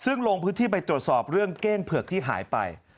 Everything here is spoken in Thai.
ซึ่งลงพื้นที่ไปตรวจสอบเรื่องเก้งเผือกที่หายไป